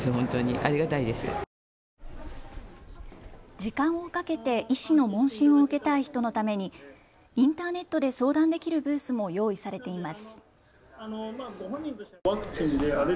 時間をかけて医師の問診を受けたい人のためにインターネットで相談できるブースも用意されています。